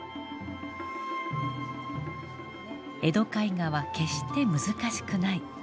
江戸絵画は決して難しくない。